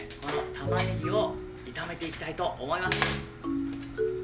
このタマネギを炒めていきたいと思います。